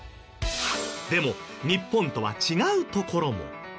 でも日本とは違うところも。